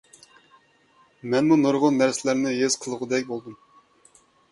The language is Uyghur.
مەنمۇ نۇرغۇن نەرسىلەرنى ھېس قىلغاندەك بولدۇم.